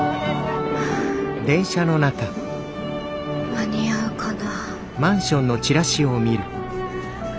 間に合うかな。